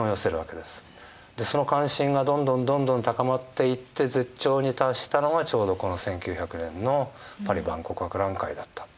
でその関心がどんどんどんどん高まっていって絶頂に達したのがちょうどこの１９００年のパリ万国博覧会だった。